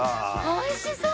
おいしそう！